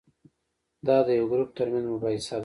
دا د یو ګروپ ترمنځ مباحثه ده.